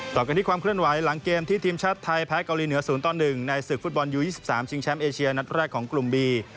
ต่อกันที่ความเคลื่อนไหวหลังเกมที่ทีมชาติไทยแพ้เกาหลีเหนือ๐ต่อ๑ในศึกฟุตบอลยู๒๓ชิงแชมป์เอเชียนัดแรกของกลุ่มบี